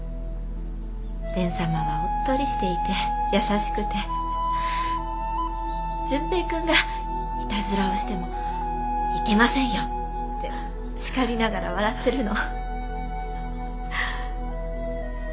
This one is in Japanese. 蓮様はおっとりしていて優しくて純平君がいたずらをしても「いけませんよ」って叱りながら笑ってるの。